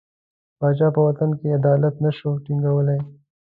پاچا په وطن کې عدالت نه شو ټینګولای.